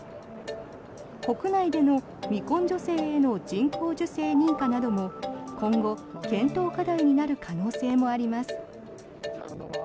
国内での未婚女性への人工授精認可なども今後、検討課題になる可能性もあります。